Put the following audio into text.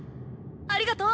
ありがとう。